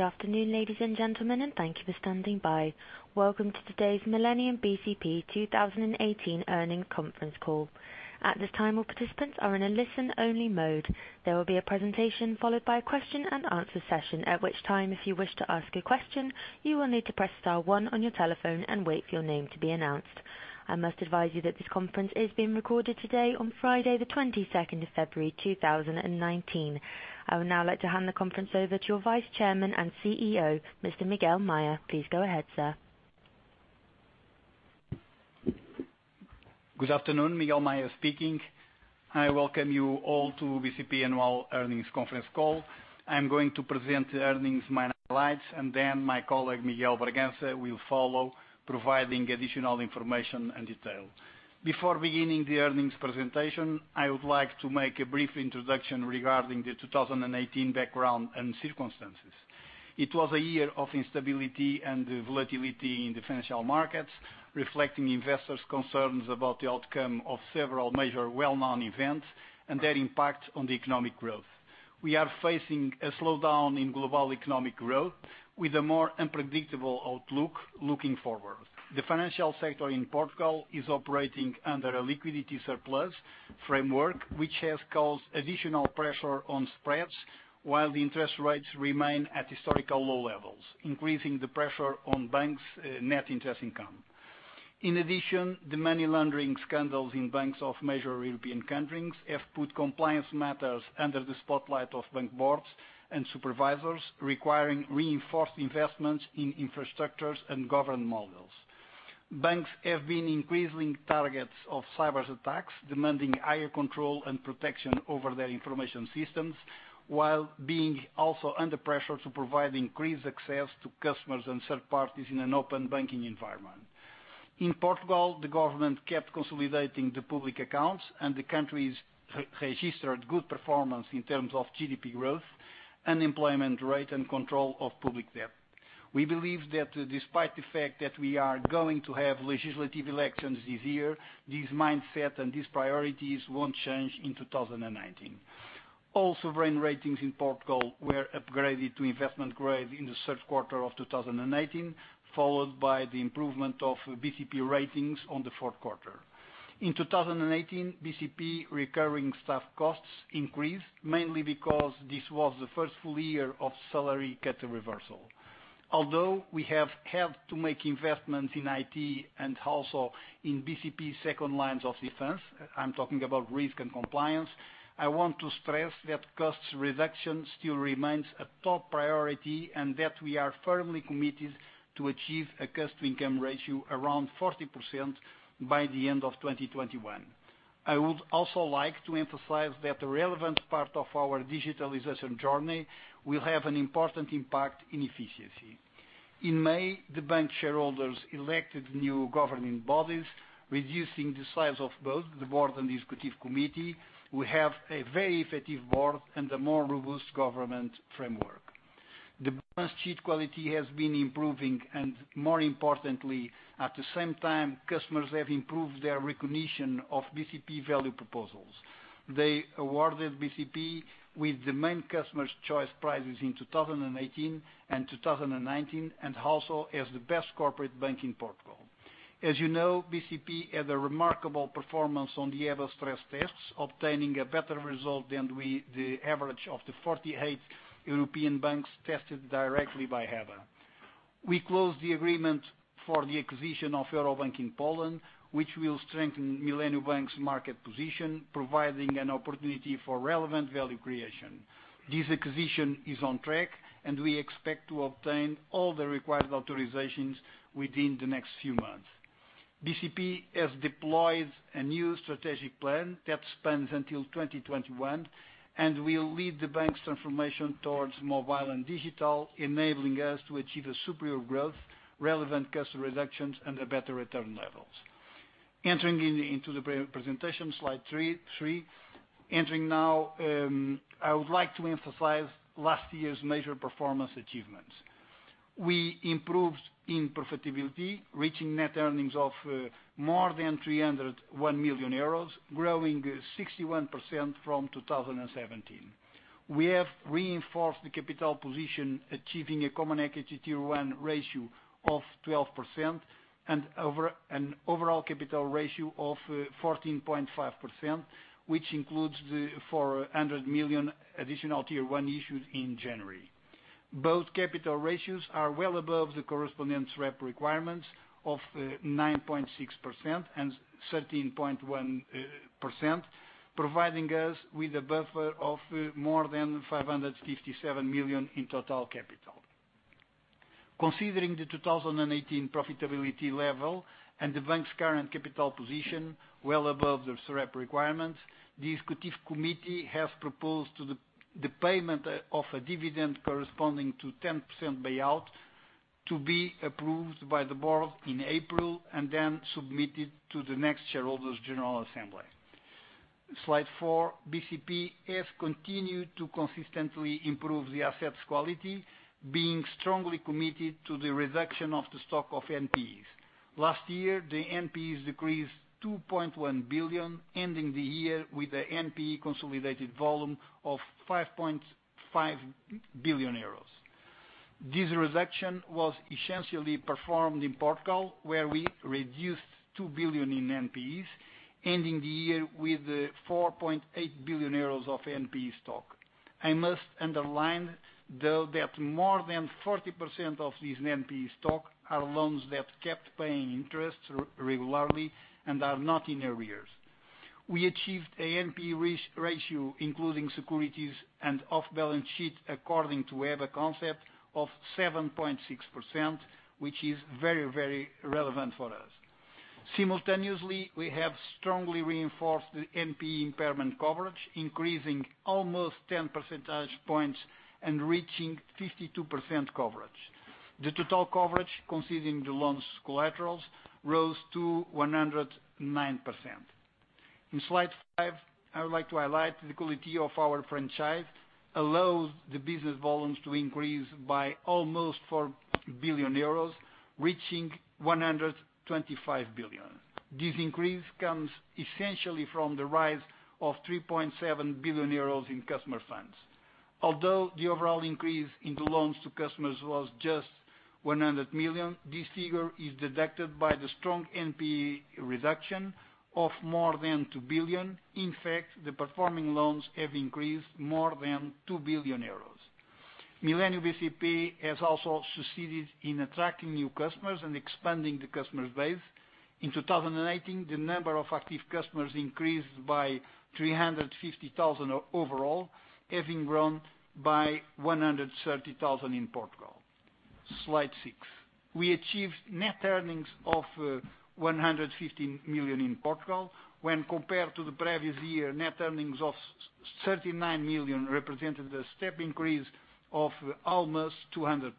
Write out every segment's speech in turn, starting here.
Good afternoon, ladies and gentlemen, and thank you for standing by. Welcome to today's Millennium bcp 2018 Earnings Conference Call. At this time, all participants are in a listen-only mode. There will be a presentation followed by a question and answer session, at which time, if you wish to ask a question, you will need to press star one on your telephone and wait for your name to be announced. I must advise you that this conference is being recorded today on Friday, the 22nd of February, 2019. I would now like to hand the conference over to your Vice Chairman and CEO, Mr. Miguel Maya. Please go ahead, sir. Good afternoon, Miguel Maya speaking. I welcome you all to bcp Annual Earnings Conference Call. Then my colleague, Miguel Bragança, will follow, providing additional information and detail. Before beginning the earnings presentation, I would like to make a brief introduction regarding the 2018 background and circumstances. It was a year of instability and volatility in the financial markets, reflecting investors' concerns about the outcome of several major well-known events and their impact on the economic growth. We are facing a slowdown in global economic growth with a more unpredictable outlook looking forward. The financial sector in Portugal is operating under a liquidity surplus framework, which has caused additional pressure on spreads while the interest rates remain at historical low levels, increasing the pressure on banks' net interest income. In addition, the money laundering scandals in banks of major European countries have put compliance matters under the spotlight of bank boards and supervisors, requiring reinforced investments in infrastructures and governance models. Banks have been increasing targets of cyber attacks, demanding higher control and protection over their information systems while being also under pressure to provide increased access to customers and third parties in an open banking environment. In Portugal, the government kept consolidating the public accounts and the country registered good performance in terms of GDP growth, unemployment rate, and control of public debt. We believe that despite the fact that we are going to have legislative elections this year, this mindset and these priorities won't change in 2019. All sovereign ratings in Portugal were upgraded to investment grade in the third quarter of 2018, followed by the improvement of bcp ratings on the fourth quarter. In 2018, bcp recurring staff costs increased, mainly because this was the first full year of salary cut reversal. Although we have had to make investments in IT and also in bcp's second lines of defense, I'm talking about risk and compliance, I want to stress that cost reduction still remains a top priority and that we are firmly committed to achieve a cost-to-income ratio around 40% by the end of 2021. I would also like to emphasize that a relevant part of our digitalization journey will have an important impact in efficiency. In May, the bank shareholders elected new governing bodies, reducing the size of both the board and the executive committee. We have a very effective board and a more robust government framework. The balance sheet quality has been improving and more importantly, at the same time, customers have improved their recognition of bcp value proposals. They awarded BCP with the main customer's choice prizes in 2018 and 2019 and also as the best corporate bank in Portugal. As you know, BCP had a remarkable performance on the EBA stress tests, obtaining a better result than the average of the 48 European banks tested directly by EBA. We closed the agreement for the acquisition of Euro Bank in Poland, which will strengthen Bank Millennium's market position, providing an opportunity for relevant value creation. This acquisition is on track, we expect to obtain all the required authorizations within the next few months. BCP has deployed a new strategic plan that spans until 2021 and will lead the bank's transformation towards mobile and digital, enabling us to achieve a superior growth, relevant cost reductions, and better return levels. Entering into the presentation, slide 3. Entering now, I would like to emphasize last year's major performance achievements. We improved in profitability, reaching net earnings of more than 301 million euros, growing 61% from 2017. We have reinforced the capital position, achieving a Common Equity Tier 1 ratio of 12% and an overall capital ratio of 14.5%, which includes the 400 million Additional Tier 1 issued in January. Both capital ratios are well above the corresponding SREP requirements of 9.6% and 13.1%, providing us with a buffer of more than 557 million in total capital. Considering the 2018 profitability level and the bank's current capital position well above the SREP requirements, the executive committee has proposed the payment of a dividend corresponding to 10% payout to be approved by the board in April, then submitted to the next shareholders' general assembly. Slide 4, BCP has continued to consistently improve the assets quality, being strongly committed to the reduction of the stock of NPEs. Last year, the NPEs decreased 2.1 billion, ending the year with the NPE consolidated volume of 5.5 billion euros. This reduction was essentially performed in Portugal, where we reduced 2 billion in NPEs, ending the year with 4.8 billion euros of NPE stock. I must underline, though, that more than 40% of this NPE stock are loans that kept paying interest regularly and are not in arrears. We achieved a NPE ratio, including securities and off-balance sheet, according to EBA concept of 7.6%, which is very relevant for us. Simultaneously, we have strongly reinforced the NPE impairment coverage, increasing almost 10 percentage points and reaching 52% coverage. The total coverage, considering the loans' collaterals, rose to 109%. In slide 5, I would like to highlight the quality of our franchise allows the business volumes to increase by almost 4 billion euros, reaching 125 billion. This increase comes essentially from the rise of 3.7 billion euros in customer funds. Although the overall increase in the loans to customers was just 100 million, this figure is deducted by the strong NPE reduction of more than 2 billion. In fact, the performing loans have increased more than 2 billion euros. Millennium bcp has also succeeded in attracting new customers and expanding the customer base. In 2018, the number of active customers increased by 350,000 overall, having grown by 130,000 in Portugal. Slide 6. We achieved net earnings of 115 million in Portugal. When compared to the previous year, net earnings of 39 million represented a step increase of almost 200%.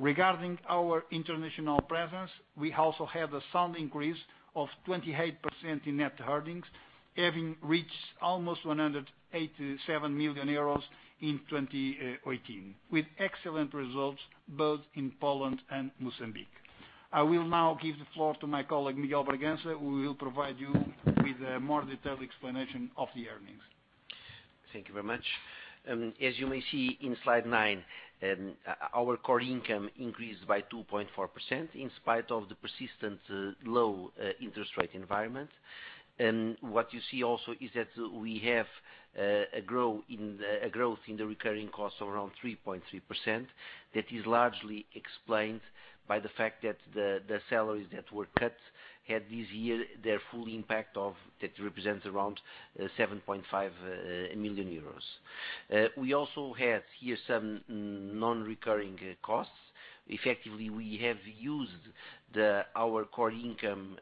Regarding our international presence, we also had a sound increase of 28% in net earnings, having reached almost 187 million euros in 2018, with excellent results both in Poland and Mozambique. I will now give the floor to my colleague, Miguel Bragança, who will provide you with a more detailed explanation of the earnings. Thank you very much. As you may see in Slide 9, our core income increased by 2.4% in spite of the persistent low interest rate environment. What you see also is that we have a growth in the recurring cost of around 3.3%. That is largely explained by the fact that the salaries that were cut had this year their full impact that represents around 7.5 million euros. We also had here some non-recurring costs. Effectively, we have used our core income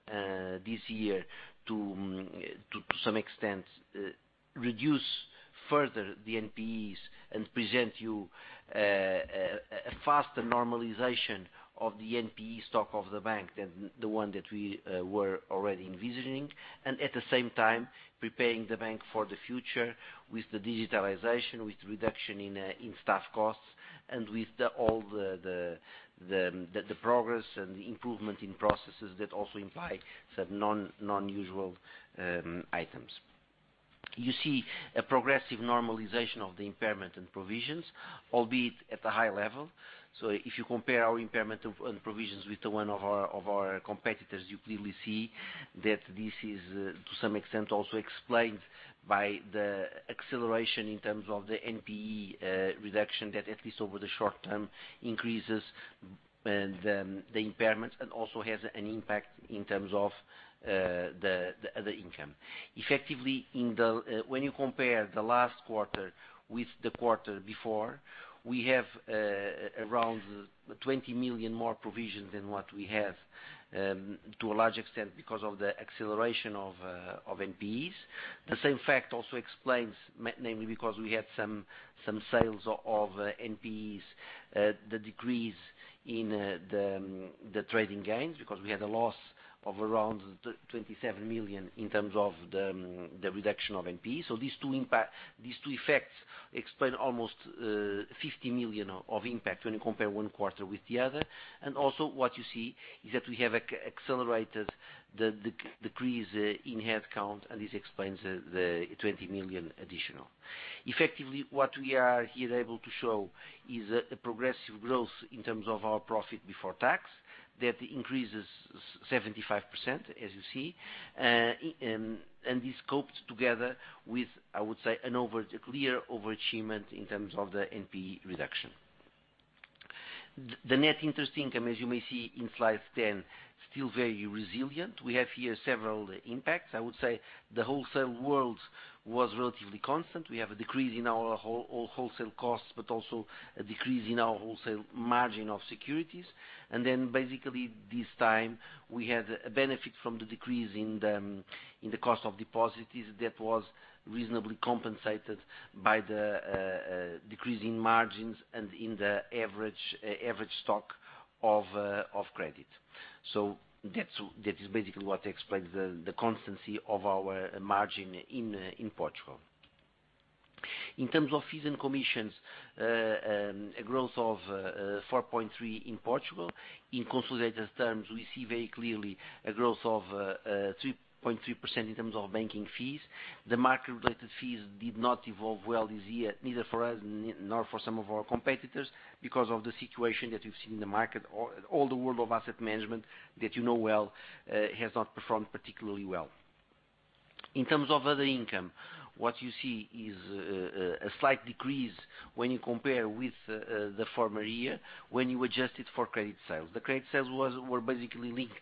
this year to some extent reduce further the NPEs and present you a faster normalization of the NPE stock of the bank than the one that we were already envisioning. At the same time, preparing the bank for the future with the digitalization, with reduction in staff costs, and with all the progress and the improvement in processes that also imply some non-usual items. You see a progressive normalization of the impairment and provisions, albeit at a high level. If you compare our impairment and provisions with the one of our competitors, you clearly see that this is to some extent also explained by the acceleration in terms of the NPE reduction that at least over the short term, increases the impairments and also has an impact in terms of the other income. Effectively, when you compare the last quarter with the quarter before, we have around 20 million more provisions than what we have to a large extent because of the acceleration of NPEs. The same fact also explains namely because we had some sales of NPEs, the decrease in the trading gains because we had a loss of around 27 million in terms of the reduction of NPE. These two effects explain almost 50 million of impact when you compare one quarter with the other. Also what you see is that we have accelerated the decrease in headcount, and this explains the 20 million additional. Effectively, what we are here able to show is a progressive growth in terms of our profit before tax. That increases 75%, as you see, and is scoped together with, I would say, a clear overachievement in terms of the NPE reduction. The net interest income, as you may see in slide 10, still very resilient. We have here several impacts. I would say the wholesale world was relatively constant. We have a decrease in our wholesale costs, also a decrease in our wholesale margin of securities. Basically this time we had a benefit from the decrease in the cost of deposits that was reasonably compensated by the decrease in margins and in the average stock of credit. That is basically what explains the constancy of our margin in Portugal. In terms of fees and commissions, a growth of 4.3% in Portugal. In consolidated terms, we see very clearly a growth of 3.3% in terms of banking fees. The market-related fees did not evolve well this year, neither for us nor for some of our competitors, because of the situation that we've seen in the market. All the world of asset management that you know well has not performed particularly well. In terms of other income, what you see is a slight decrease when you compare with the former year, when you adjust it for credit sales. The credit sales were basically linked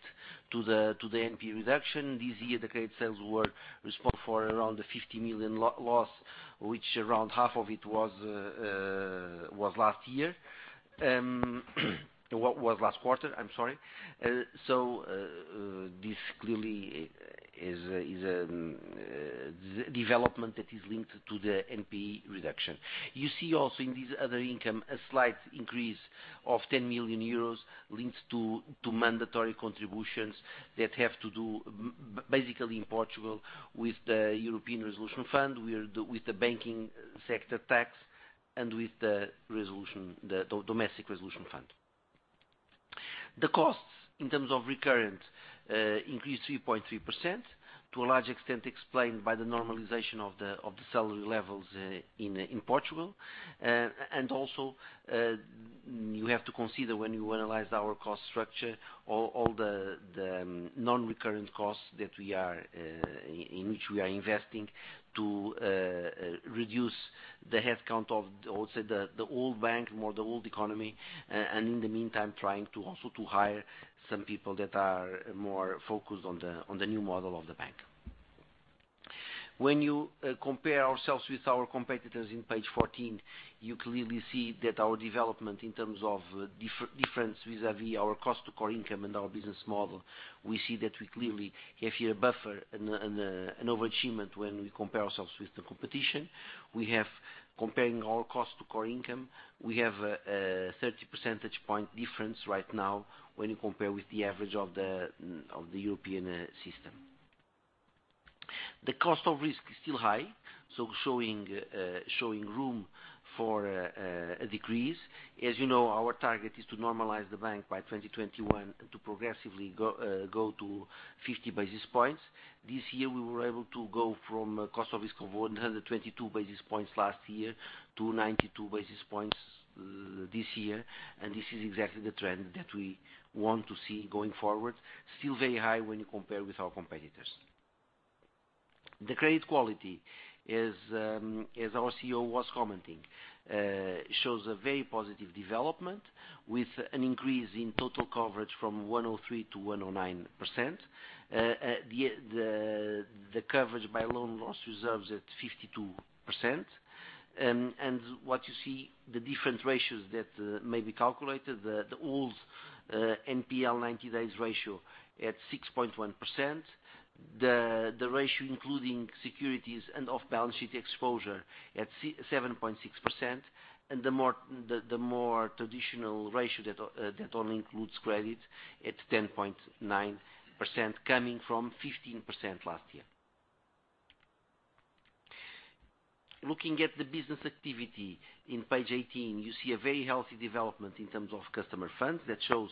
to the NPE reduction. This year, the credit sales were responsible for around the 50 million loss, which around half of it was last quarter, I'm sorry. This clearly is a development that is linked to the NPE reduction. You see also in this other income, a slight increase of 10 million euros linked to mandatory contributions that have to do, basically in Portugal, with the Single Resolution Fund, with the banking sector tax, and with the domestic resolution fund. The costs in terms of recurrent increased 3.3%, to a large extent explained by the normalization of the salary levels in Portugal. Also, you have to consider when you analyze our cost structure, all the non-recurrent costs in which we are investing to reduce the headcount of, also the old bank, more the old economy. In the meantime, trying to also to hire some people that are more focused on the new model of the bank. When you compare ourselves with our competitors in page 14, you clearly see that our development in terms of difference vis-a-vis our cost-to-income and our business model, we see that we clearly have here a buffer and an overachievement when we compare ourselves with the competition. Comparing our cost-to-income, we have a 30 percentage point difference right now when you compare with the average of the European system. The cost of risk is still high, showing room for a decrease. As you know, our target is to normalize the bank by 2021 to progressively go to 50 basis points. This year, we were able to go from a cost of risk of 122 basis points last year to 92 basis points this year. This is exactly the trend that we want to see going forward. Still very high when you compare with our competitors. The credit quality, as our CEO was commenting, shows a very positive development with an increase in total coverage from 103%-109%. The coverage by loan loss reserves at 52%. What you see, the different ratios that may be calculated, the old NPL 90 days ratio at 6.1%, the ratio including securities and off-balance sheet exposure at 7.6%, and the more traditional ratio that only includes credit at 10.9%, coming from 15% last year. Looking at the business activity in page 18, you see a very healthy development in terms of customer funds that shows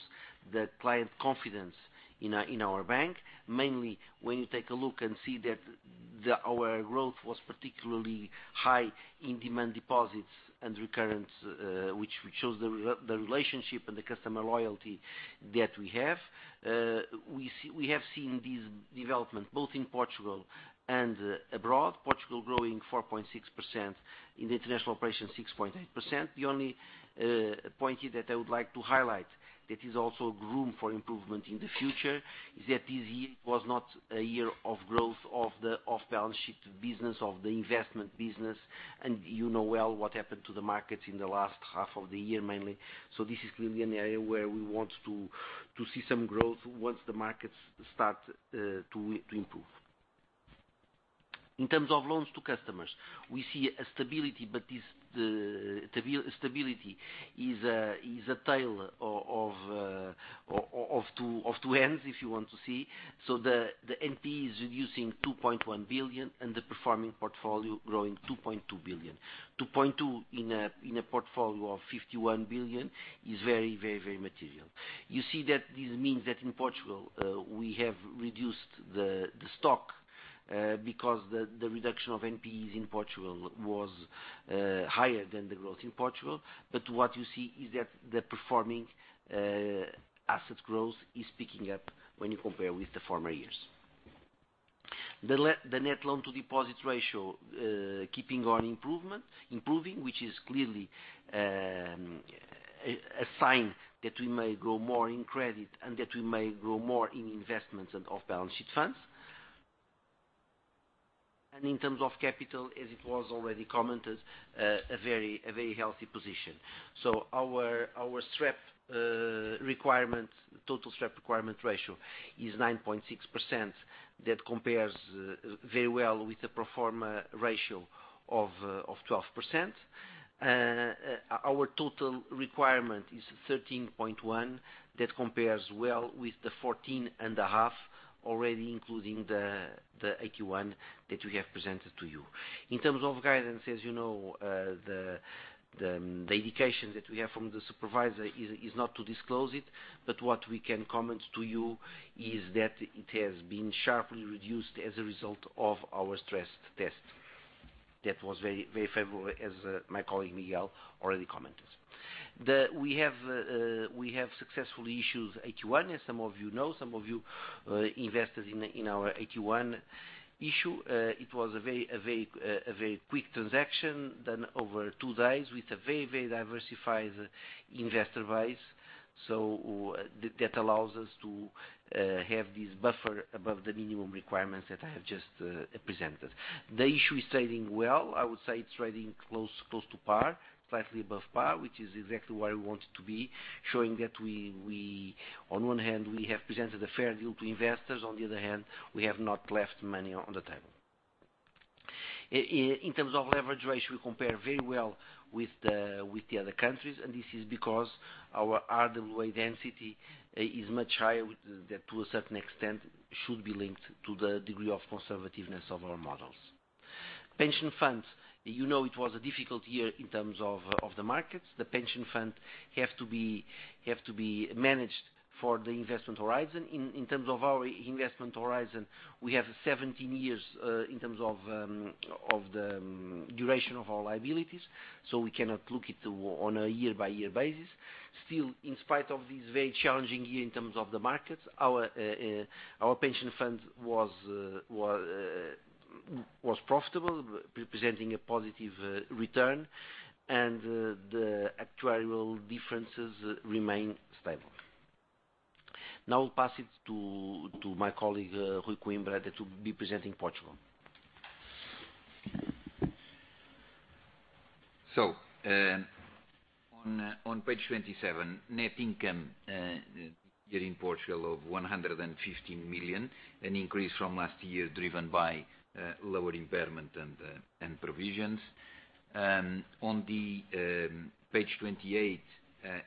the client confidence in our bank. Mainly when you take a look and see that our growth was particularly high in demand deposits and recurrence, which shows the relationship and the customer loyalty that we have. We have seen this development both in Portugal and abroad, Portugal growing 4.6%, in the international operation, 6.8%. The only point here that I would like to highlight that is also room for improvement in the future is that this year was not a year of growth of the off-balance sheet business, of the investment business. You know well what happened to the markets in the last half of the year mainly. This is clearly an area where we want to see some growth once the markets start to improve. In terms of loans to customers, we see a stability, but this stability is a tale of two ends, if you want to see. The NPE is reducing 2.1 billion and the performing portfolio growing 2.2 billion. 2.2 in a portfolio of 51 billion is very material. You see that this means that in Portugal, we have reduced the stock because the reduction of NPEs in Portugal was higher than the growth in Portugal. What you see is that the performing asset growth is picking up when you compare with the former years. The net loan to deposit ratio keeping on improving, which is clearly a sign that we may grow more in credit and that we may grow more in investments and off-balance sheet funds. In terms of capital, as it was already commented, a very healthy position. Our total SREP requirement ratio is 9.6%. That compares very well with the pro forma ratio of 12%. Our total requirement is 13.1%. That compares well with the 14.5% already including the AT1 that we have presented to you. In terms of guidance, as you know, the dedication that we have from the supervisor is not to disclose it, but what we can comment to you is that it has been sharply reduced as a result of our stress test. That was very favorable, as my colleague Miguel already commented. We have successfully issued AT1, as some of you know. Some of you invested in our AT1 issue. It was a very quick transaction done over two days with a very diversified investor base. That allows us to have this buffer above the minimum requirements that I have just presented. The issue is trading well. I would say it's trading close to par, slightly above par, which is exactly where we want it to be, showing that we, on one hand, we have presented a fair deal to investors, on the other hand, we have not left money on the table. In terms of leverage ratio, we compare very well with the other countries, this is because our RWA density is much higher with that to a certain extent should be linked to the degree of conservativeness of our models. Pension funds, you know it was a difficult year in terms of the markets. The pension fund have to be managed for the investment horizon. In terms of our investment horizon, we have 17 years in terms of the duration of our liabilities, so we cannot look it on a year-by-year basis. In spite of this very challenging year in terms of the markets, our pension fund was profitable, presenting a positive return and the actuarial differences remain stable. I'll pass it to my colleague, Rui Coimbra, that will be presenting Portugal. On page 27, net income here in Portugal of 115 million, an increase from last year driven by lower impairment and provisions. Page 28,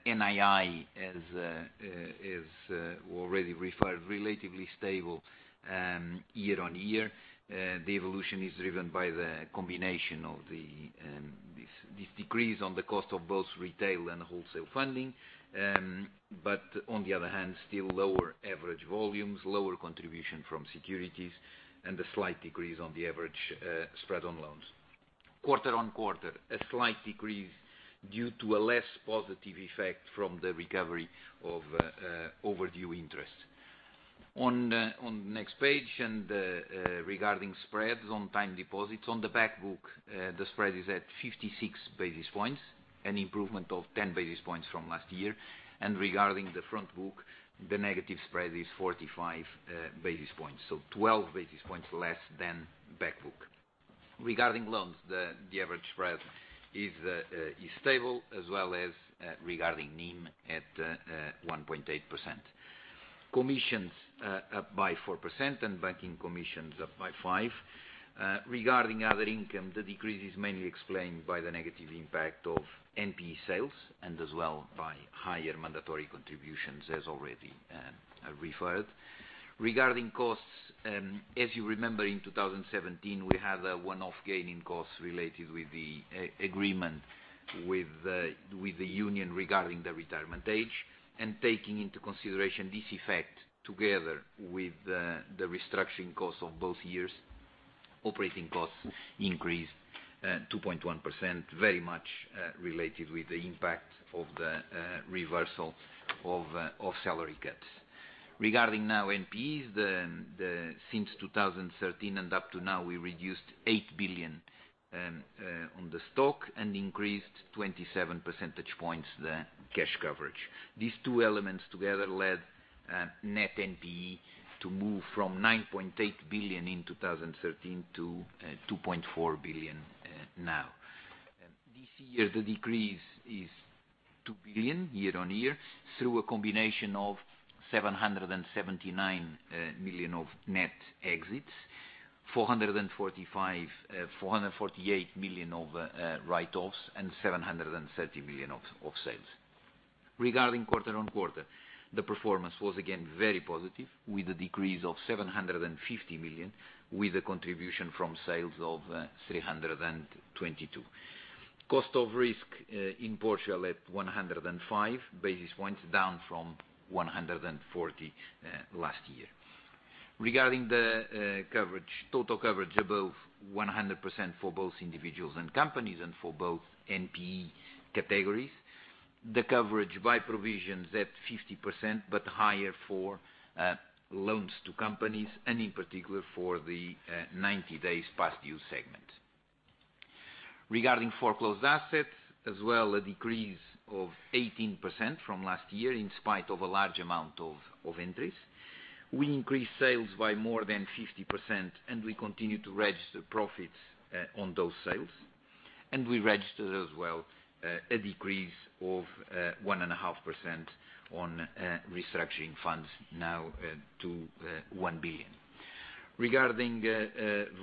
NII as already referred, relatively stable year-on-year. The evolution is driven by the combination of this decrease on the cost of both retail and wholesale funding. On the other hand, still lower average volumes, lower contribution from securities, and a slight decrease on the average spread on loans. Quarter-on-quarter, a slight decrease due to a less positive effect from the recovery of overdue interest. Next page regarding spreads on time deposits on the back book, the spread is at 56 basis points, an improvement of 10 basis points from last year. Regarding the front book, the negative spread is 45 basis points, so 12 basis points less than back book. Regarding loans, the average spread is stable as well as regarding NIM at 1.8%. Commissions up by 4% and banking commissions up by 5%. Regarding other income, the decrease is mainly explained by the negative impact of NPE sales, as well by higher mandatory contributions as already referred. Regarding costs, as you remember, in 2017, we had a one-off gain in costs related with the agreement with the union regarding the retirement age. Taking into consideration this effect together with the restructuring costs of both years, operating costs increased 2.1%, very much related with the impact of the reversal of salary cuts. Regarding NPEs, since 2013 and up to now, we reduced 8 billion on the stock and increased 27 percentage points the cash coverage. These two elements together led net NPE to move from 9.8 billion in 2013 to 2.4 billion now. This year, the decrease is 2 billion year-on-year through a combination of 779 million of net exits, 448 million of write-offs, and 730 million of sales. Regarding Quarter-on-quarter, the performance was again very positive with a decrease of 750 million with a contribution from sales of 322 million. Cost of risk in Portugal at 105 basis points down from 140 basis points last year. Regarding the total coverage above 100% for both individuals and companies and for both NPE categories, the coverage by provisions at 50% but higher for loans to companies and in particular for the 90 days past due segment. Regarding foreclosed assets, as well, a decrease of 18% from last year in spite of a large amount of entries. We increased sales by more than 50% and we continue to register profits on those sales. We registered as well a decrease of 1.5% on restructuring funds now to 1 billion. Regarding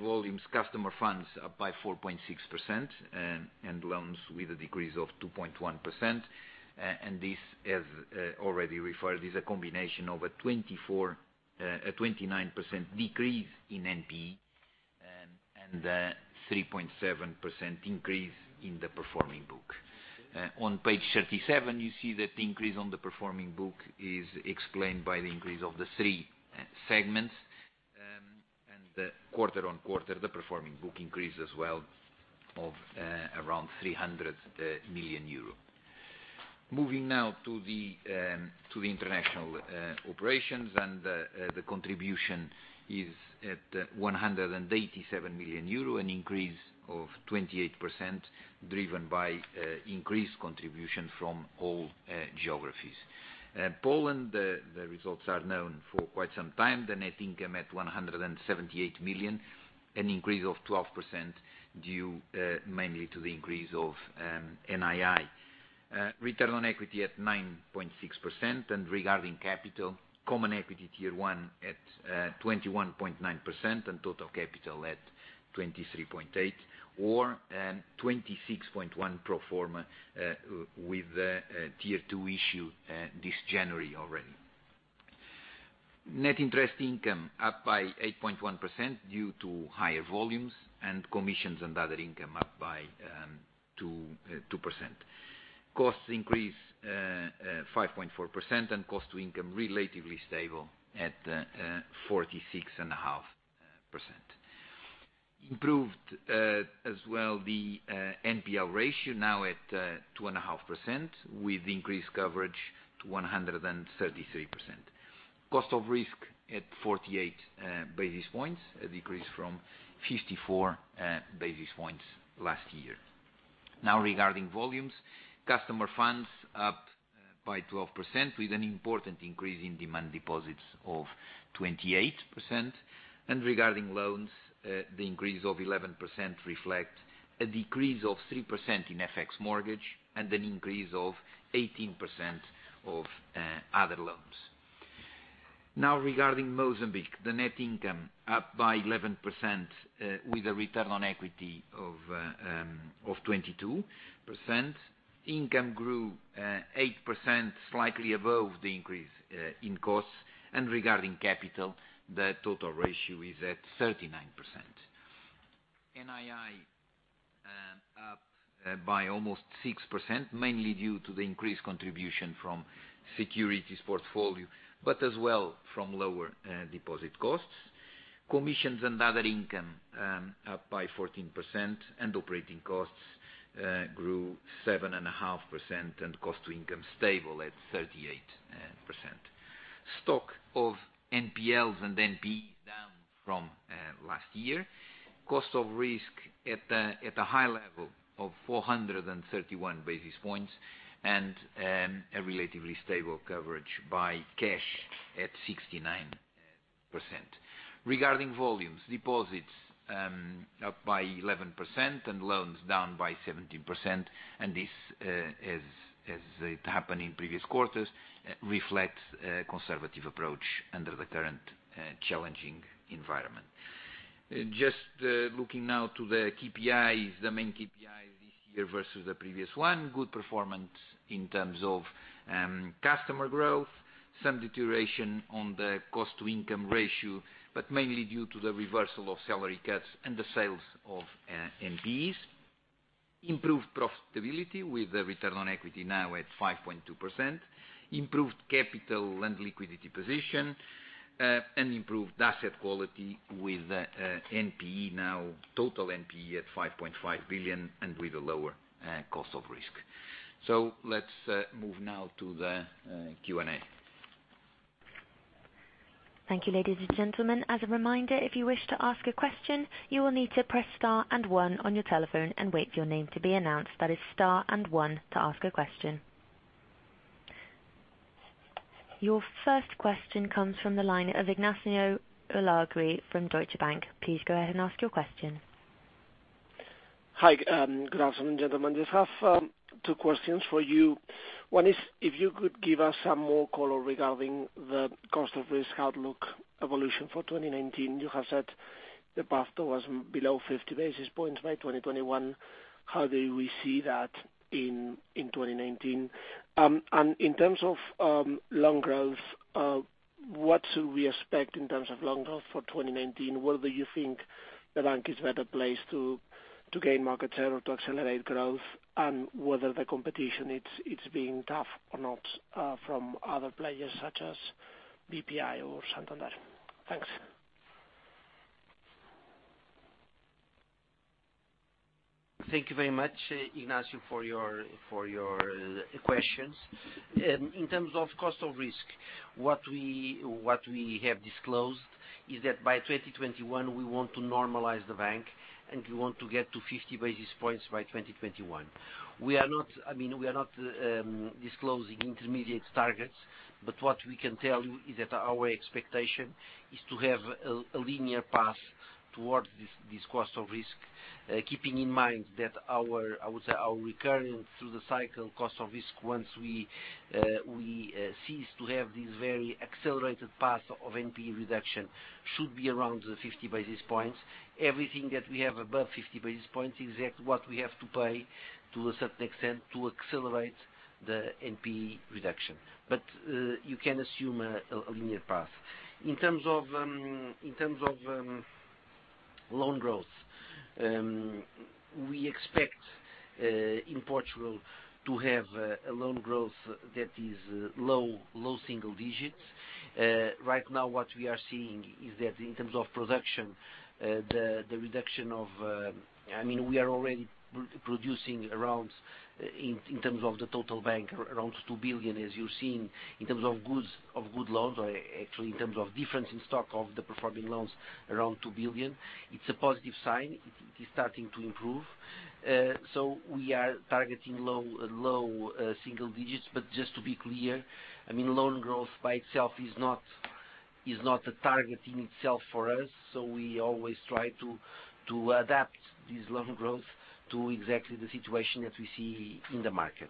volumes, customer funds up by 4.6% and loans with a decrease of 2.1%. This has already referred is a combination of a 29% decrease in NPE and a 3.7% increase in the performing book. On page 37, you see that the increase on the performing book is explained by the increase of the three segments. Quarter-on-quarter, the performing book increase as well of around 300 million euro. Moving now to the international operations, the contribution is at 187 million euro, an increase of 28% driven by increased contribution from all geographies. Poland, the results are known for quite some time. The net income at 178 million, an increase of 12% due mainly to the increase of NII. Return on equity at 9.6%. Regarding capital, Common Equity Tier 1 at 21.9% and total capital at 23.8% or 26.1% pro forma, with a tier 2 issue this January already. Net interest income up by 8.1% due to higher volumes and commissions and other income up by 2%. Costs increase 5.4% and cost-to-income relatively stable at 46.5%. Improved as well the NPL ratio now at 2.5% with increased coverage to 133%. Cost of risk at 48 basis points, a decrease from 54 basis points last year. Regarding volumes, customer funds up by 12% with an important increase in demand deposits of 28%. Regarding loans, the increase of 11% reflect a decrease of 3% in FX mortgage and an increase of 18% of other loans. Regarding Mozambique, the net income up by 11% with a return on equity of 22%. Income grew 8%, slightly above the increase in costs. Regarding capital, the total ratio is at 39%. NII up by almost 6%, mainly due to the increased contribution from securities portfolio but as well from lower deposit costs. Commissions and other income up by 14% and operating costs grew 7.5% and cost-to-income stable at 38%. Stock of NPLs and NPE down from last year. Cost of risk at a high level of 431 basis points and a relatively stable coverage by cash at 69%. Regarding volumes, deposits up by 11% and loans down by 17%. This, as it happened in previous quarters, reflects a conservative approach under the current challenging environment. Looking now to the main KPIs this year versus the previous one, good performance in terms of customer growth. Some deterioration on the cost-to-income ratio, but mainly due to the reversal of salary cuts and the sales of NPEs. Improved profitability with the return on equity now at 5.2%. Improved capital and liquidity position, and improved asset quality with total NPE at 5.5 billion and with a lower cost of risk. Let's move now to the Q&A. Thank you, ladies and gentlemen. As a reminder, if you wish to ask a question, you will need to press star and one on your telephone and wait for your name to be announced. That is star and one to ask a question. Your first question comes from the line of Ignacio Ulargui from Deutsche Bank. Please go ahead and ask your question. Hi, good afternoon, gentlemen. Just have two questions for you. One is if you could give us some more color regarding the cost of risk outlook evolution for 2019. You have said the path was below 50 basis points by 2021. How do we see that in 2019? In terms of loan growth, what should we expect in terms of loan growth for 2019? Whether you think the bank is better placed to gain market share or to accelerate growth, and whether the competition is being tough or not from other players such as BPI or Santander. Thanks. Thank you very much, Ignacio, for your questions. In terms of cost of risk, what we have disclosed is that by 2021, we want to normalize the bank, we want to get to 50 basis points by 2021. We are not disclosing intermediate targets, what we can tell you is that our expectation is to have a linear path towards this cost of risk, keeping in mind that our, I would say, recurring through the cycle cost of risk, once we cease to have this very accelerated path of NPE reduction, should be around the 50 basis points. Everything that we have above 50 basis points is exactly what we have to pay, to a certain extent, to accelerate the NPE reduction. You can assume a linear path. In terms of loan growth, we expect, in Portugal, to have a loan growth that is low single digits. Right now, what we are seeing is that in terms of production, We are already producing, in terms of the total bank, around 2 billion, as you're seeing, in terms of good loans, or actually in terms of difference in stock of the performing loans, around 2 billion. It's a positive sign. It is starting to improve. We are targeting low single digits. Just to be clear, loan growth by itself is not a target in itself for us, so we always try to adapt this loan growth to exactly the situation that we see in the market.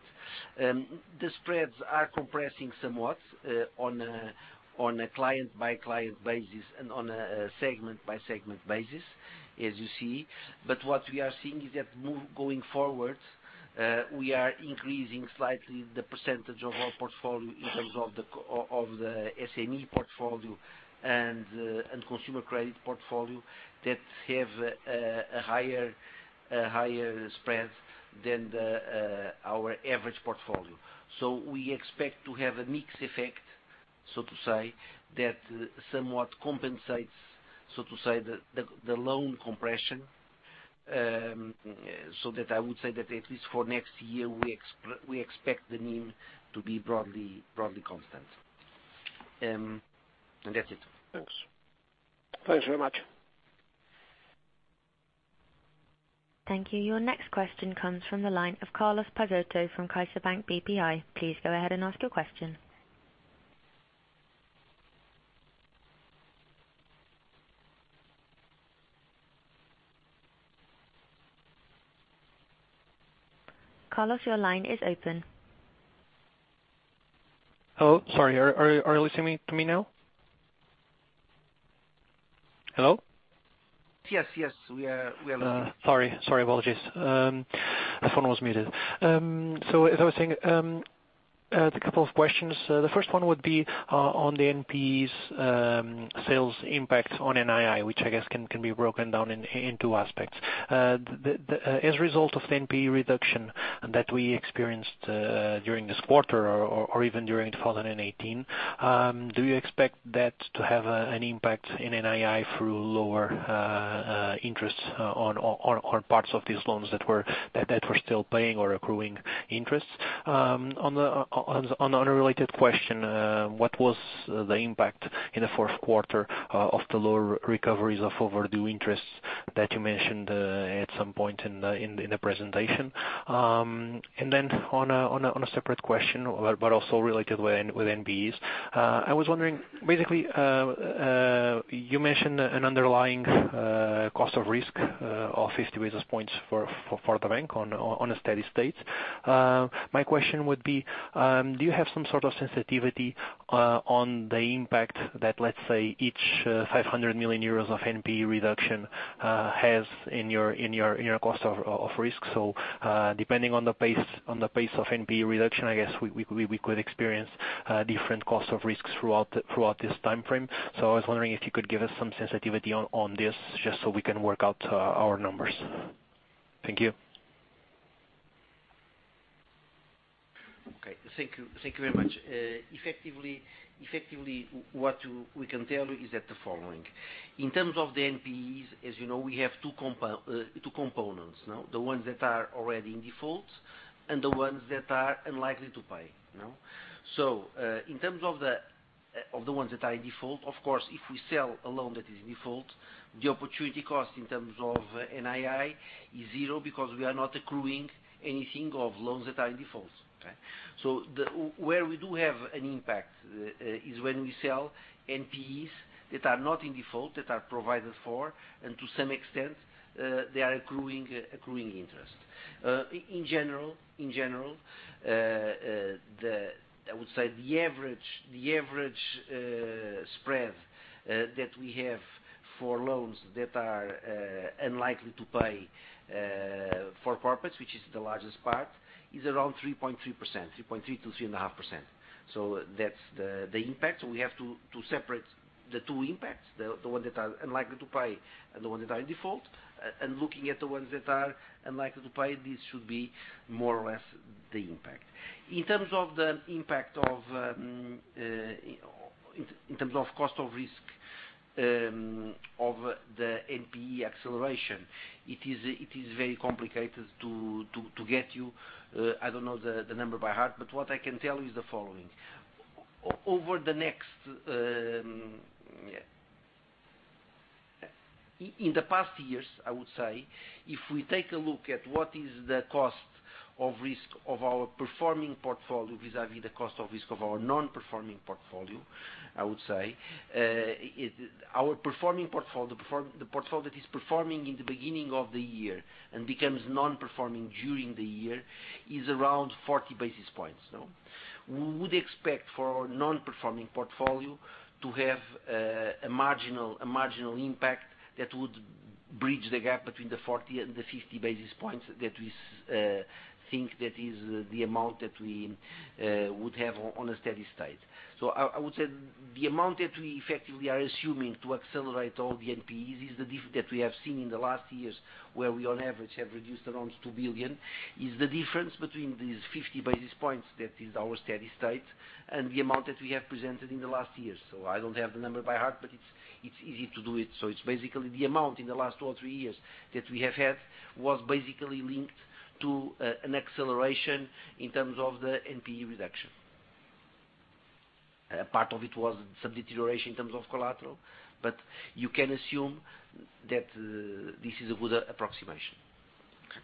The spreads are compressing somewhat on a client-by-client basis and on a segment-by-segment basis, as you see. What we are seeing is that going forward, we are increasing slightly the percentage of our portfolio in terms of the SME portfolio and consumer credit portfolio that have higher spreads than our average portfolio. We expect to have a mixed effect, so to say, that somewhat compensates, so to say, the loan compression. That I would say that at least for next year, we expect the mean to be broadly constant. That's it. Thanks. Thanks very much. Thank you. Your next question comes from the line of Carlos Peixoto from CaixaBank BPI. Please go ahead and ask your question. Carlos, your line is open. Hello. Sorry, are you listening to me now? Hello? Yes. We are listening. Sorry. Apologies. The phone was muted. As I was saying, I had a couple of questions. The first one would be on the NPEs sales impact on NII, which I guess can be broken down in two aspects. As a result of the NPE reduction that we experienced during this quarter, or even during the fall of 2018, do you expect that to have an impact in NII through lower interest on parts of these loans that were still paying or accruing interest? On an unrelated question, what was the impact in the fourth quarter of the lower recoveries of overdue interests that you mentioned at some point in the presentation? On a separate question, but also related with NPEs, I was wondering, basically, you mentioned an underlying cost of risk of 50 basis points for the bank on a steady state. My question would be, do you have some sort of sensitivity on the impact that, let's say, each 500 million euros of NPE reduction has in your cost of risk? Depending on the pace of NPE reduction, I guess we could experience different cost of risks throughout this timeframe. I was wondering if you could give us some sensitivity on this, just so we can work out our numbers. Thank you. Okay. Thank you very much. Effectively, what we can tell you is the following. In terms of the NPEs, as you know, we have two components. The ones that are already in default and the ones that are unlikely to pay. In terms of the ones that are in default, of course, if we sell a loan that is in default, the opportunity cost in terms of NII is zero because we are not accruing anything of loans that are in default. Okay? Where we do have an impact is when we sell NPEs that are not in default, that are provided for, and to some extent, they are accruing interest. In general, I would say the average spread that we have for loans that are unlikely to pay for corporates, which is the largest part, is around 3.3%-3.5%. That's the impact. We have to separate the two impacts, the one that are unlikely to pay and the one that are in default. Looking at the ones that are unlikely to pay, this should be more or less the impact. In terms of cost of risk of the NPE acceleration, it is very complicated to get you, I don't know the number by heart, but what I can tell you is the following. In the past years, I would say, if we take a look at what is the cost of risk of our performing portfolio vis-a-vis the cost of risk of our non-performing portfolio, I would say, our performing portfolio, the portfolio that is performing in the beginning of the year and becomes non-performing during the year, is around 40 basis points. We would expect for our non-performing portfolio to have a marginal impact that would bridge the gap between the 40 and the 50 basis points that we think that is the amount that we would have on a steady state. I would say the amount that we effectively are assuming to accelerate all the NPEs is the diff that we have seen in the last years, where we on average have reduced around 2 billion, is the difference between these 50 basis points, that is our steady state, and the amount that we have presented in the last years. I don't have the number by heart, but it's easy to do it. It's basically the amount in the last two or three years that we have had was basically linked to an acceleration in terms of the NPE reduction. A part of it was some deterioration in terms of collateral, you can assume that this is a good approximation. Okay.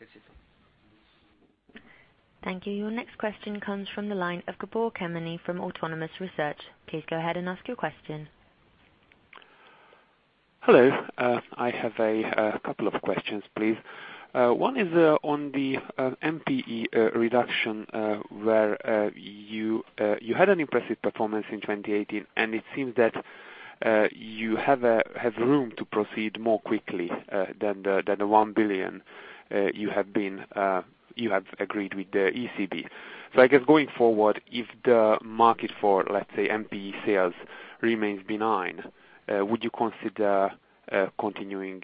That's it. Thank you. Your next question comes from the line of Gabor Kemeny from Autonomous Research. Please go ahead and ask your question. Hello, I have a couple of questions, please. One is on the NPE reduction, where you had an impressive performance in 2018. It seems that you have room to proceed more quickly than the 1 billion you have agreed with the ECB. I guess going forward, if the market for, let's say, NPE sales remains benign, would you consider continuing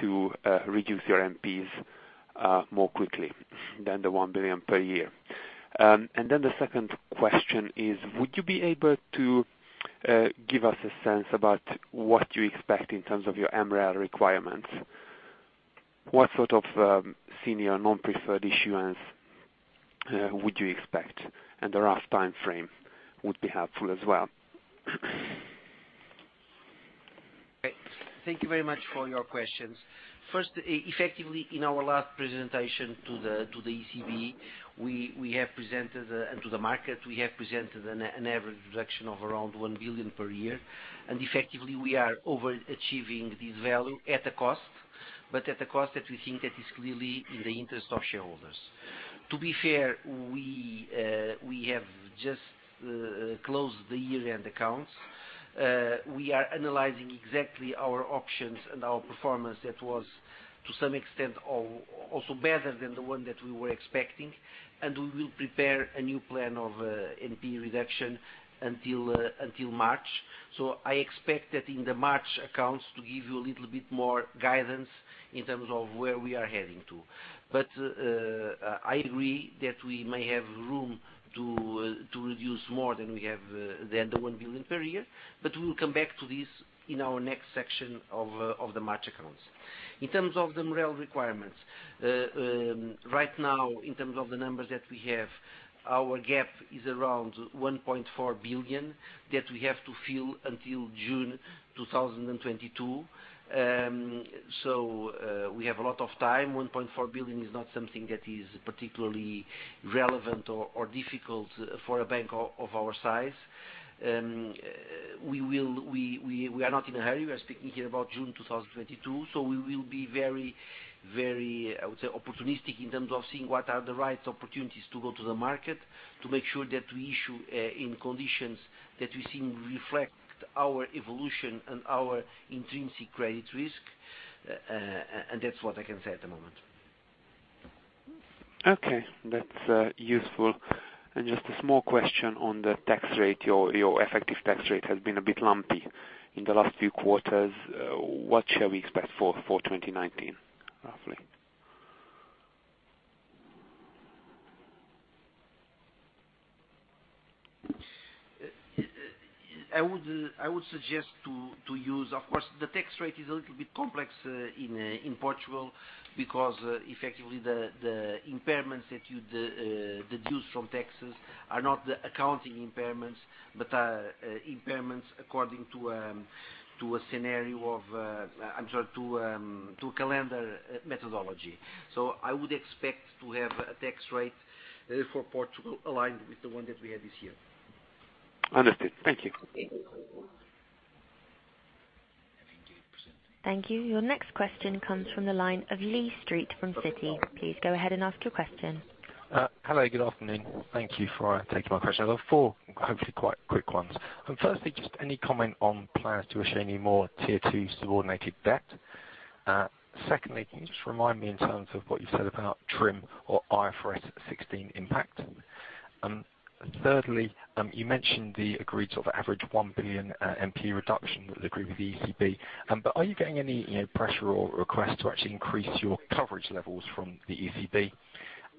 to reduce your NPEs more quickly than the 1 billion per year? The second question is, would you be able to give us a sense about what you expect in terms of your MREL requirements? What sort of senior non-preferred issuance would you expect? A rough time frame would be helpful as well. Thank you very much for your questions. First, effectively, in our last presentation to the ECB and to the market, we have presented an average reduction of around 1 billion per year. Effectively, we are over-achieving this value at a cost, but at a cost that we think that is clearly in the interest of shareholders. To be fair, we have just closed the year-end accounts. We are analyzing exactly our options and our performance that was, to some extent, also better than the one that we were expecting, and we will prepare a new plan of NPE reduction until March. I expect that in the March accounts to give you a little bit more guidance in terms of where we are heading to. I agree that we may have room to reduce more than the 1 billion per year. We will come back to this in our next section of the March accounts. In terms of the MREL requirements. Right now, in terms of the numbers that we have, our gap is around 1.4 billion that we have to fill until June 2022. We have a lot of time. 1.4 billion is not something that is particularly relevant or difficult for a bank of our size. We are not in a hurry. We are speaking here about June 2022. We will be very opportunistic in terms of seeing what are the right opportunities to go to the market, to make sure that we issue in conditions that we see reflect our evolution and our intrinsic credit risk. That's what I can say at the moment. Okay. That's useful. Just a small question on the tax rate. Your effective tax rate has been a bit lumpy in the last few quarters. What shall we expect for 2019, roughly? I would suggest to use, of course, the tax rate is a little bit complex in Portugal because effectively the impairments that you deduce from taxes are not the accounting impairments, but are impairments according to calendar methodology. I would expect to have a tax rate for Portugal aligned with the one that we had this year. Understood. Thank you. Thank you. Your next question comes from the line of Lee Street from Citi. Please go ahead and ask your question. Hello, good afternoon. Thank you for taking my question. I have four, hopefully quite quick ones. Firstly, just any comment on plans to issue any more Tier 2 subordinated debt? Secondly, can you just remind me in terms of what you said about TRIM or IFRS 16 impact? Thirdly, you mentioned the agreed average 1 billion NPE reduction that was agreed with the ECB. Are you getting any pressure or request to actually increase your coverage levels from the ECB?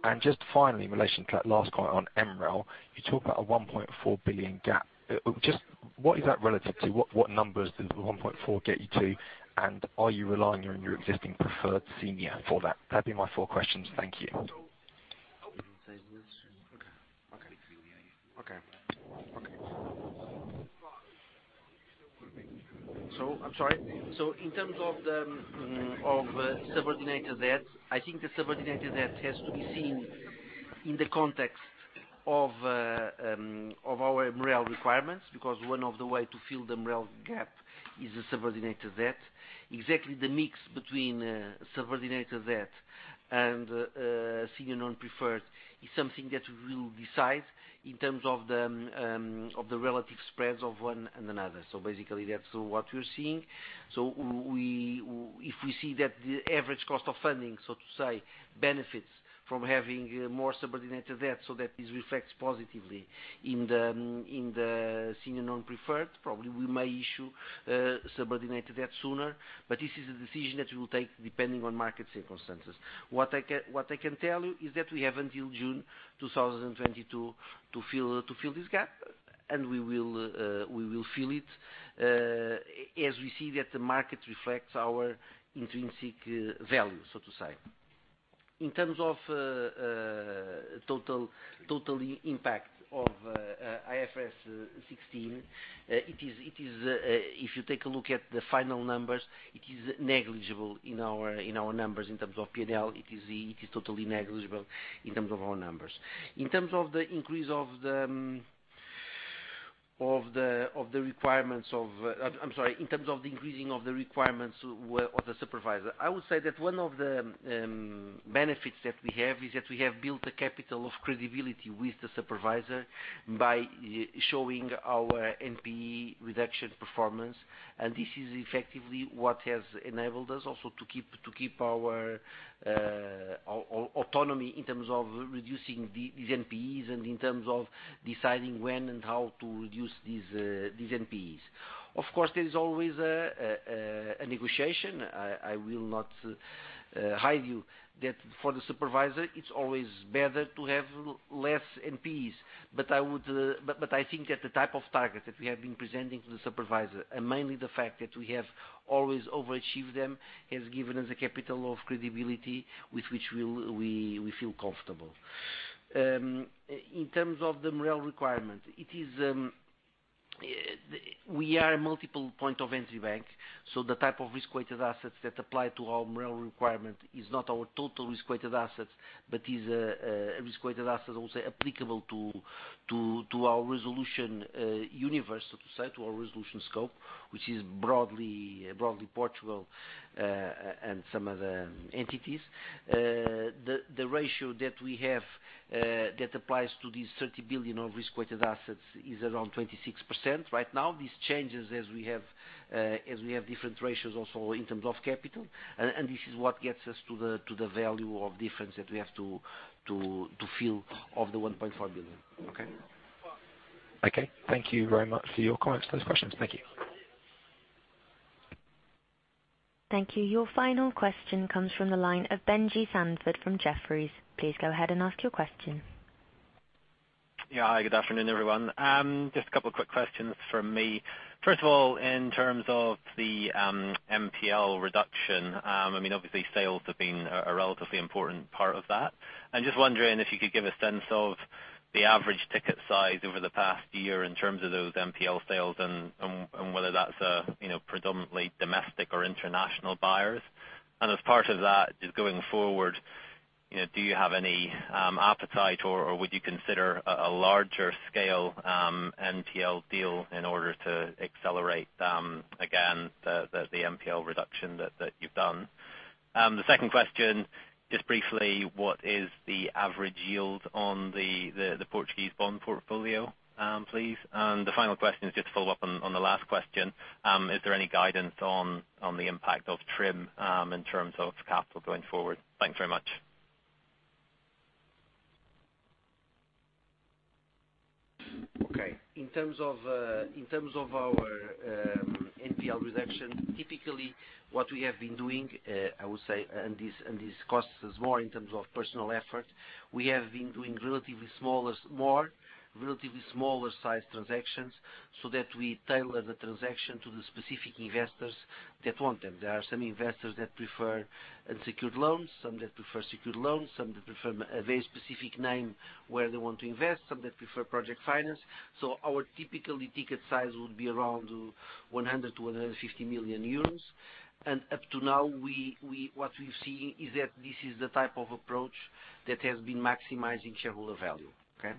And just finally, in relation to that last point on MREL, you talk about a 1.4 billion gap. Just what is that relative to? What numbers does the 1.4 get you to? And are you relying on your existing preferred senior for that? That'd be my four questions. Thank you. You can take this. I'm sorry. In terms of the subordinated debt, I think the subordinated debt has to be seen in the context of our MREL requirements, because one of the ways to fill the MREL gap is the subordinated debt. Exactly the mix between subordinated debt and senior non-preferred is something that we will decide in terms of the relative spreads of one and another. Basically, that's what we're seeing. If we see that the average cost of funding, so to say, benefits from having more subordinated debt, so that it reflects positively in the senior non-preferred, probably we may issue subordinated debt sooner, this is a decision that we will take depending on market circumstances. What I can tell you is that we have until June 2022 to fill this gap, and we will fill it, as we see that the market reflects our intrinsic value, so to say. In terms of total impact of IFRS 16, if you take a look at the final numbers, it is negligible in our numbers. In terms of P&L, it is totally negligible in terms of our numbers. In terms of the increasing of the requirements of the supervisor, I would say that one of the benefits that we have is that we have built a capital of credibility with the supervisor by showing our NPE reduction performance, and this is effectively what has enabled us also to keep our autonomy in terms of reducing these NPEs and in terms of deciding when and how to reduce these NPEs. Of course, there is always a negotiation. I will not hide you that for the supervisor, it's always better to have less NPEs. I think that the type of target that we have been presenting to the supervisor, and mainly the fact that we have always overachieved them, has given us a capital of credibility with which we feel comfortable. In terms of the MREL requirement, we are a multiple point of entry bank, so the type of risk-weighted assets that apply to our MREL requirement is not our total risk-weighted assets, but is risk-weighted assets also applicable to our resolution universe, so to say, to our resolution scope, which is broadly Portugal, and some other entities. The ratio that we have that applies to these 30 billion of risk-weighted assets is around 26%. Right now, these changes as we have different ratios also in terms of capital, and this is what gets us to the value of difference that we have to fill of the 1.4 billion. Okay? Okay. Thank you very much for your comments to those questions. Thank you. Thank you. Your final question comes from the line of Benjie Sherif from Jefferies. Please go ahead and ask your question. Yeah. Hi, good afternoon, everyone. Just a couple of quick questions from me. First of all, in terms of the NPL reduction, obviously sales have been a relatively important part of that. I'm just wondering if you could give a sense of the average ticket size over the past year in terms of those NPL sales and whether that's predominantly domestic or international buyers. As part of that, just going forward, do you have any appetite or would you consider a larger scale NPL deal in order to accelerate again the NPL reduction that you've done? The second question, just briefly, what is the average yield on the Portuguese bond portfolio, please? The final question is just to follow up on the last question. Is there any guidance on the impact of TRIM in terms of capital going forward? Thanks very much. Okay. In terms of our NPL reduction, typically what we have been doing, I would say, and this costs us more in terms of personal effort, we have been doing more relatively smaller sized transactions so that we tailor the transaction to the specific investors that want them. There are some investors that prefer unsecured loans, some that prefer secured loans, some that prefer a very specific name where they want to invest, some that prefer project finance. Our typically ticket size would be around 100 million-150 million euros. Up to now, what we've seen is that this is the type of approach that has been maximizing shareholder value. Okay.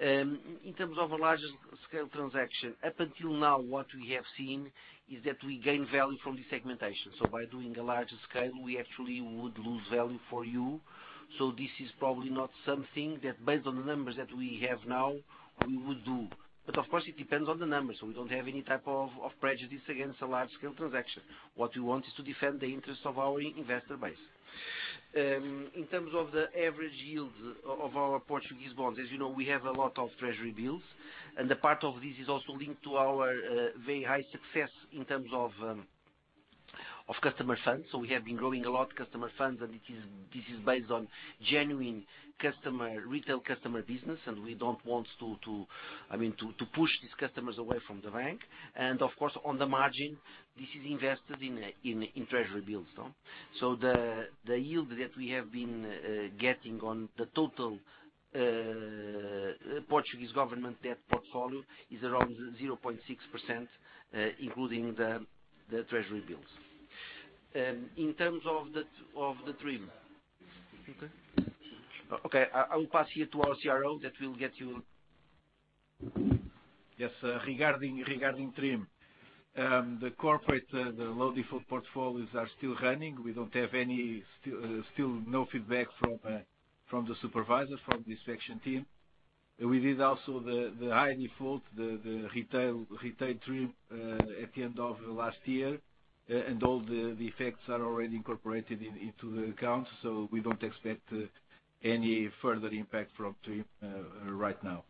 In terms of a larger scale transaction, up until now, what we have seen is that we gain value from the segmentation. By doing a larger scale, we actually would lose value for you. This is probably not something that based on the numbers that we have now, we would do. Of course, it depends on the numbers, so we don't have any type of prejudice against a large scale transaction. What we want is to defend the interest of our investor base. In terms of the average yield of our Portuguese bonds, as you know, we have a lot of treasury bills, and a part of this is also linked to our very high success in terms of customer funds. We have been growing a lot customer funds, and this is based on genuine retail customer business, and we don't want to push these customers away from the bank. Of course, on the margin, this is invested in treasury bills. The yield that we have been getting on the total Portuguese government debt portfolio is around 0.6%, including the Treasury bills. In terms of the TRIM. Okay. Okay, I will pass you to our CRO. That will get you Yes, regarding TRIM, the corporate, the low default portfolios are still running. We don't have still no feedback from the supervisors, from the section team. We did also the high default, the retail TRIM, at the end of last year, and all the effects are already incorporated into the account. We don't expect any further impact from TRIM right now.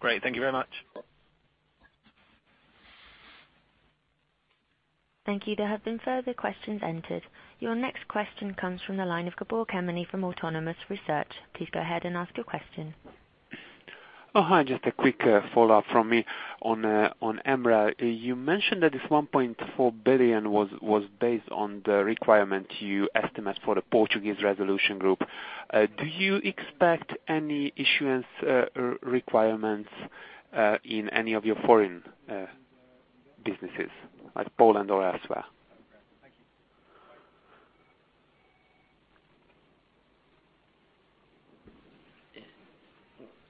Great. Thank you very much. Thank you. There have been further questions entered. Your next question comes from the line of Gabor Kemeny from Autonomous Research. Please go ahead and ask your question. Hi. Just a quick follow-up from me on MREL. You mentioned that this 1.4 billion was based on the requirement you estimate for the Portuguese resolution group. Do you expect any issuance requirements in any of your foreign businesses, like Poland or elsewhere?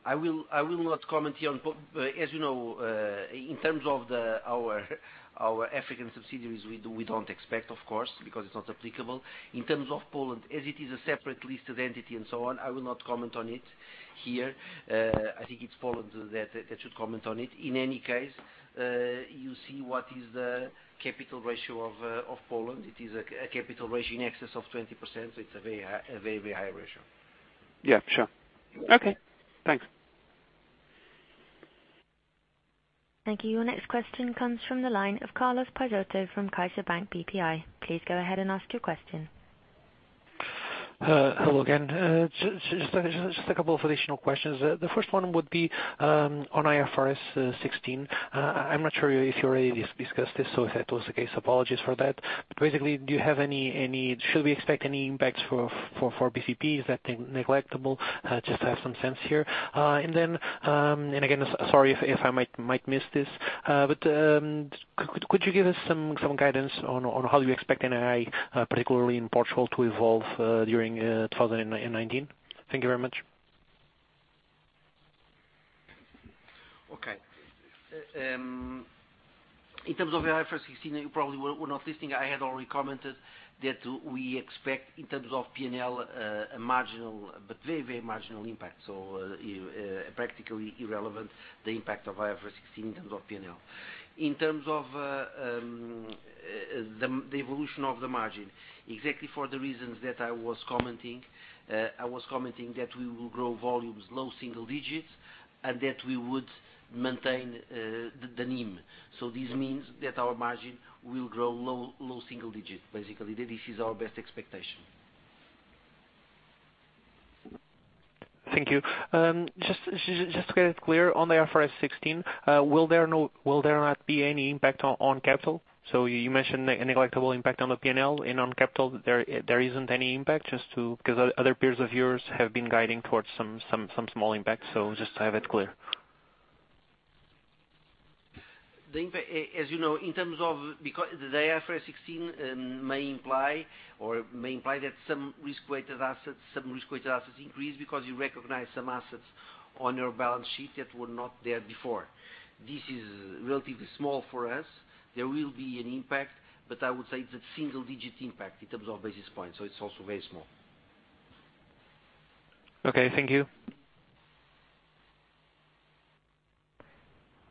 Thank you. I will not comment here. As you know, in terms of our African subsidiaries, we don't expect, of course, because it's not applicable. In terms of Poland, as it is a separate listed entity and so on, I will not comment on it here. I think it's Poland that should comment on it. In any case, you see what is the capital ratio of Poland. It is a capital ratio in excess of 20%, so it's a very high ratio. Yeah, sure. Okay, thanks. Thank you. Your next question comes from the line of Carlos Peixoto from CaixaBank BPI. Please go ahead and ask your question. Hello again. Just a couple of additional questions. The first one would be on IFRS 16. I'm not sure if you already discussed this, so if that was the case, apologies for that. Basically, should we expect any impacts for BCP? Is that negligible? Just to have some sense here. Again, sorry if I might miss this. Could you give us some guidance on how you expect NII, particularly in Portugal, to evolve during 2019? Thank you very much. Okay. In terms of IFRS 16, you probably were not listening. I had already commented that we expect, in terms of P&L, a marginal, but very marginal impact. Practically irrelevant, the impact of IFRS 16 in terms of P&L. In terms of the evolution of the margin, exactly for the reasons that I was commenting, I was commenting that we will grow volumes low single digits, and that we would maintain the NIM. This means that our margin will grow low single digits, basically. This is our best expectation. Thank you. Just to get it clear on the IFRS 16, will there not be any impact on capital? You mentioned a negligible impact on the P&L and on capital, there isn't any impact? Just because other peers of yours have been guiding towards some small impact. Just to have it clear. As you know, the IFRS 16 may imply that some risk-weighted assets increase because you recognize some assets on your balance sheet that were not there before. This is relatively small for us. There will be an impact, but I would say it's a single-digit impact in terms of basis points, it's also very small. Okay, thank you.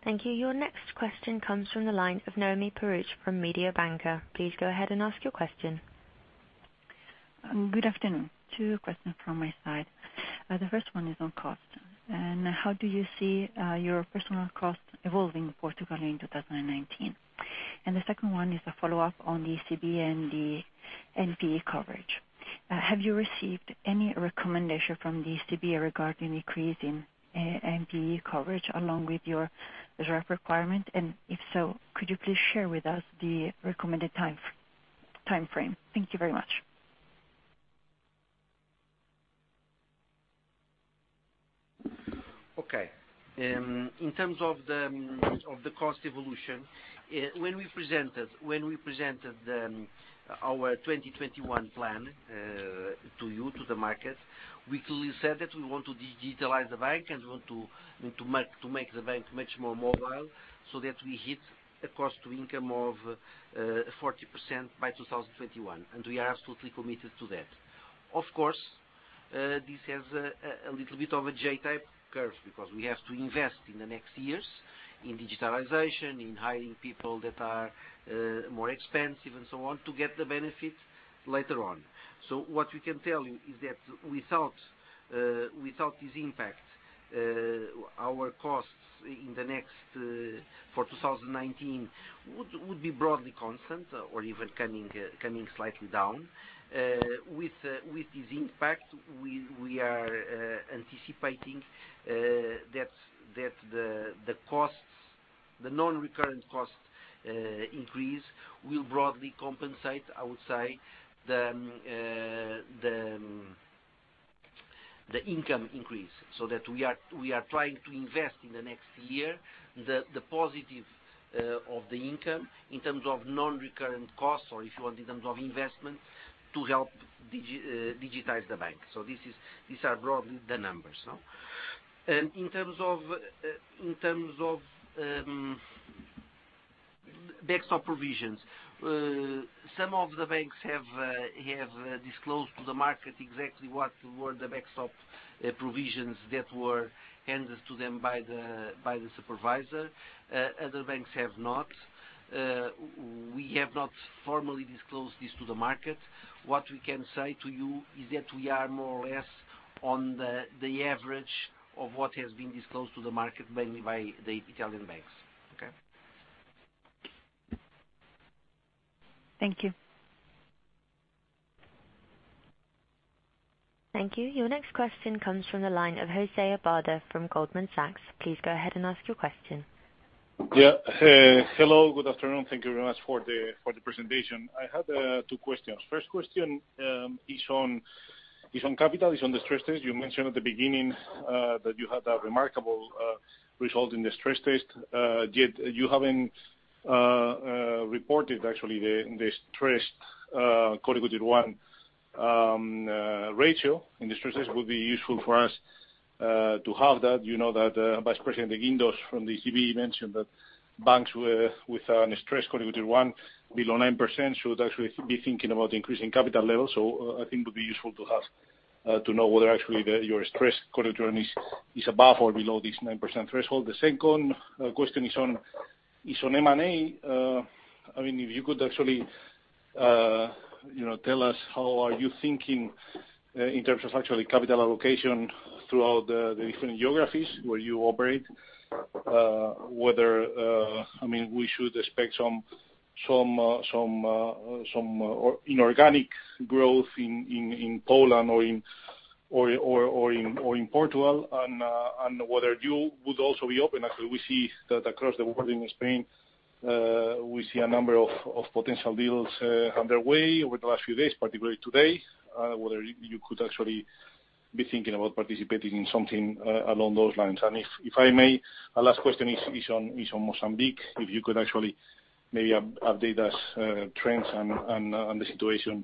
Thank you. Your next question comes from the line of Noemi Peruch from Mediobanca. Please go ahead and ask your question. Good afternoon. Two questions from my side. The first one is on cost, how do you see your personal cost evolving in Portugal in 2019? The second one is a follow-up on the ECB and the NPA coverage. Have you received any recommendation from the ECB regarding increasing NPA coverage along with your reserve requirement? If so, could you please share with us the recommended timeframe? Thank you very much. Okay. In terms of the cost evolution, when we presented our 2021 plan to you, to the market, we clearly said that we want to digitalize the bank and want to make the bank much more mobile so that we hit a cost-to-income of 40% by 2021, we are absolutely committed to that. Of course, this has a little bit of a J-type curve because we have to invest in the next years in digitalization, in hiring people that are more expensive and so on, to get the benefit later on. What we can tell you is that without this impact, our costs for 2019 would be broadly constant or even coming slightly down. With this impact, we are anticipating that the non-recurrent cost increase will broadly compensate, I would say, the income increase. That we are trying to invest in the next year, the positive of the income in terms of non-recurrent costs or if you want, in terms of investment to help digitize the bank. These are broadly the numbers. In terms of backstop provisions, some of the banks have disclosed to the market exactly what were the backstop provisions that were handed to them by the supervisor. Other banks have not. We have not formally disclosed this to the market. What we can say to you is that we are more or less on the average of what has been disclosed to the market mainly by the Italian banks. Okay? Thank you. Thank you. Your next question comes from the line of José Abad from Goldman Sachs. Please go ahead and ask your question. Hello, good afternoon. Thank you very much for the presentation. I have two questions. First question is on capital, is on the stress test. You mentioned at the beginning that you had a remarkable result in the stress test. Yet, you haven't reported actually the Stress Core Equity Tier 1 ratio in the stress test. Would be useful for us to have that. You know that, Vice-President Guindos from the ECB mentioned that banks with a Stress Core Equity Tier 1 below 9% should actually be thinking about increasing capital levels. I think it would be useful to have to know whether actually your Stress Core Equity Tier 1 is above or below this 9% threshold. The second question is on M&A. If you could actually tell us how are you thinking, in terms of actually capital allocation throughout the different geographies where you operate. Whether we should expect some inorganic growth in Poland or in Portugal and whether you would also be open, actually, we see that across the board in Spain. We see a number of potential deals underway over the last few days, particularly today. Whether you could actually be thinking about participating in something along those lines. If I may, a last question is on Mozambique. If you could actually maybe update us, trends and the situation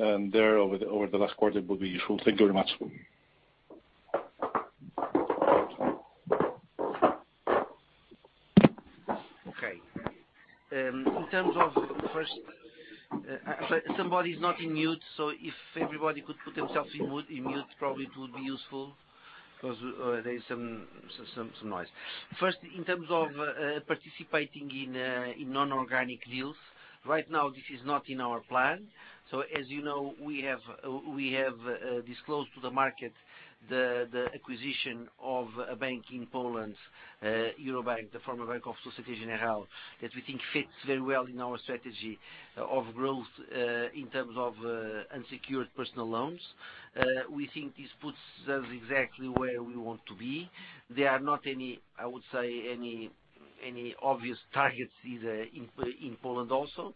there over the last quarter would be useful. Thank you very much. In terms of participating in non-organic deals. Right now, this is not in our plan. As you know, we have disclosed to the market the acquisition of a bank in Poland, Euro Bank, the former bank of Société Générale, that we think fits very well in our strategy of growth, in terms of unsecured personal loans. We think this puts us exactly where we want to be. There are not any obvious targets either in Poland also.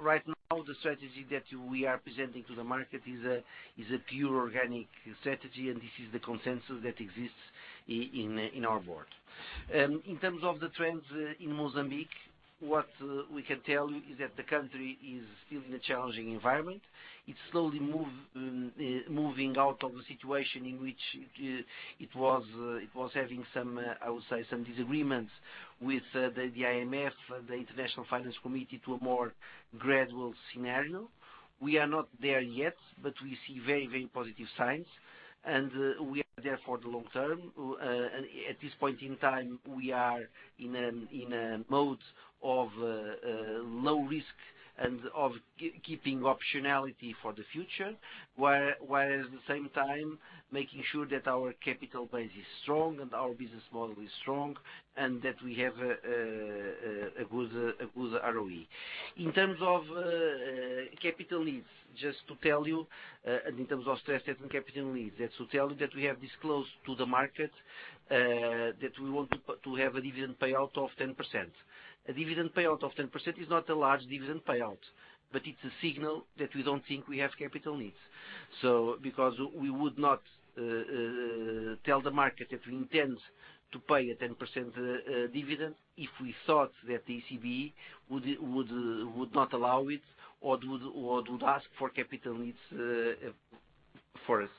Right now, the strategy that we are presenting to the market is a pure organic strategy, and this is the consensus that exists in our board. In terms of the trends in Mozambique, what we can tell you is that the country is still in a challenging environment. It's slowly moving out of the situation in which it was having some disagreements with the IMF, the International Monetary and Financial Committee, to a more gradual scenario. We are not there yet, we see very positive signs, and we are there for the long term. At this point in time, we are in a mode of low risk and of keeping optionality for the future, while at the same time making sure that our capital base is strong and our business model is strong, and that we have a good ROE. In terms of capital needs, in terms of stress testing capital needs, we have disclosed to the market that we want to have a dividend payout of 10%. A dividend payout of 10% is not a large dividend payout, it's a signal that we don't think we have capital needs. Because we would not tell the market that we intend to pay a 10% dividend if we thought that the ECB would not allow it or would ask for capital needs for us.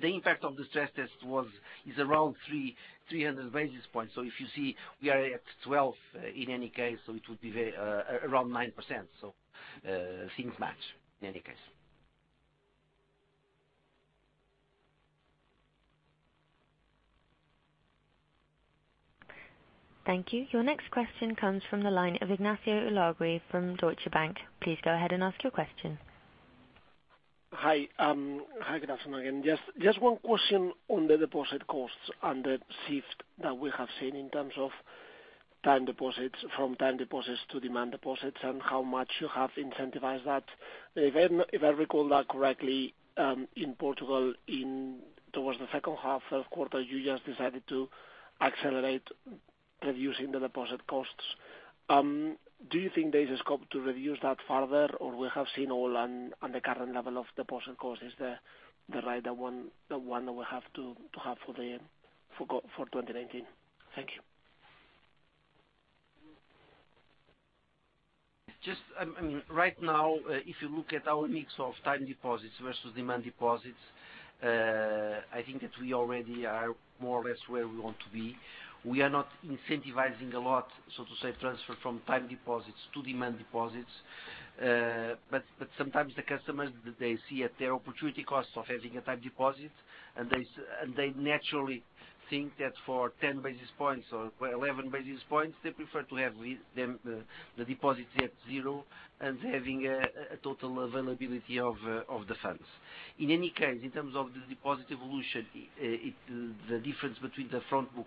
The impact of the stress test is around 300 basis points. If you see, we are at 12 in any case, it would be around 9%. Things match in any case. Thank you. Your next question comes from the line of Ignacio Ulargui from Deutsche Bank. Please go ahead and ask your question. Hi. Good afternoon again. Just one question on the deposit costs and the shift that we have seen in terms of time deposits from time deposits to demand deposits and how much you have incentivized that. If I recall that correctly, in Portugal towards the second half, third quarter, you just decided to accelerate reducing the deposit costs. Do you think there is a scope to reduce that further, or we have seen all and the current level of deposit cost is the right one that we have to have for 2019? Thank you. Right now, if you look at our mix of time deposits versus demand deposits, I think that we already are more or less where we want to be. We are not incentivizing a lot, so to say, transfer from time deposits to demand deposits. Sometimes the customers, they see at their opportunity costs of having a time deposit, and they naturally think that for 10 basis points or 11 basis points, they prefer to have the deposits at zero and having a total availability of the funds. In any case, in terms of the deposit evolution, the difference between the front book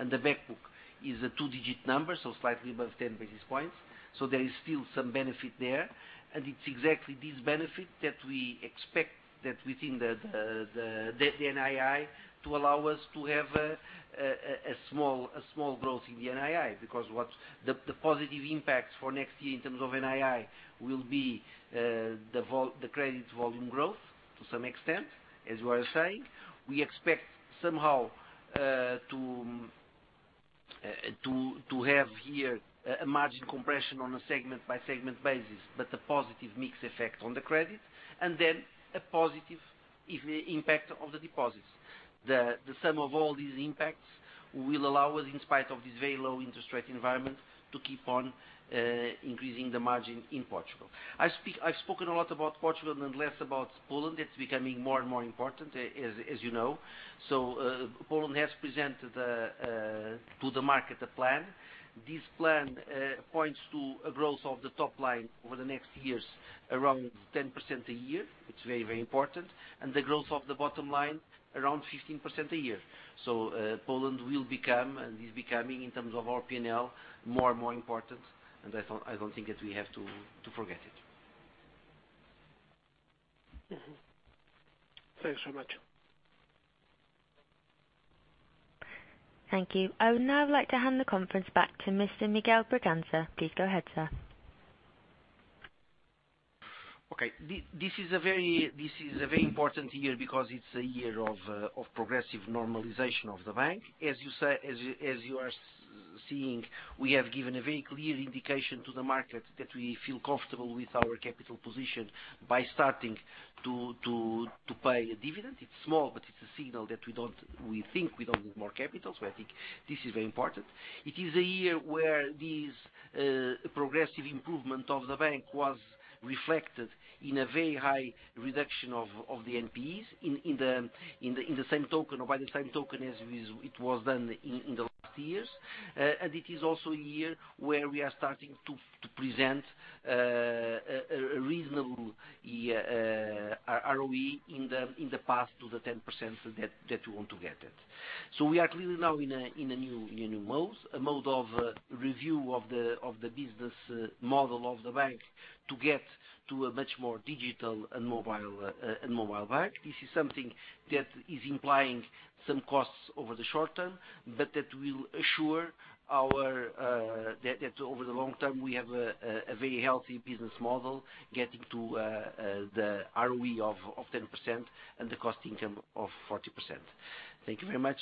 and the back book is a two-digit number, so slightly above 10 basis points. There is still some benefit there. It's exactly this benefit that we expect that within the NII to allow us to have a small growth in the NII. The positive impacts for next year in terms of NII will be the credit volume growth to some extent, as you are saying. We expect somehow to have here a margin compression on a segment-by-segment basis, a positive mix effect on the credit, and a positive impact of the deposits. The sum of all these impacts will allow us, in spite of this very low interest rate environment, to keep on increasing the margin in Portugal. I've spoken a lot about Portugal and less about Poland. It's becoming more and more important, as you know. Poland has presented to the market a plan. This plan points to a growth of the top line over the next years, around 10% a year. It's very, very important. The growth of the bottom line around 15% a year. Poland will become, and is becoming, in terms of our P&L, more and more important, and I don't think that we have to forget it. Mm-hmm. Thanks very much. Thank you. I would now like to hand the conference back to Mr. Miguel Bragança. Please go ahead, sir. Okay. This is a very important year because it's a year of progressive normalization of the bank. As you are seeing, we have given a very clear indication to the market that we feel comfortable with our capital position by starting to pay a dividend. It's small, but it's a signal that we think we don't need more capital. I think this is very important. It is a year where this progressive improvement of the bank was reflected in a very high reduction of the NPEs in the same token or by the same token as it was done in the last years. It is also a year where we are starting to present a reasonable ROE in the path to the 10% that we want to get at. We are clearly now in a new mode, a mode of review of the business model of the bank to get to a much more digital and mobile bank. This is something that is implying some costs over the short term, but that will assure that over the long term, we have a very healthy business model getting to the ROE of 10% and the cost-to-income of 40%. Thank you very much.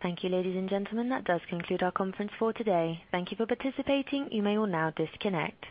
Thank you, ladies and gentlemen. That does conclude our conference for today. Thank you for participating. You may all now disconnect.